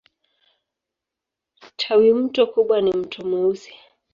Tawimto kubwa ni Mto Mweusi.